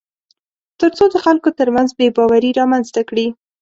تر څو د خلکو ترمنځ بېباوري رامنځته کړي